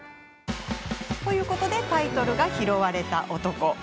ということでタイトルが「拾われた男」。